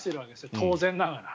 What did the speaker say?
当然ながら。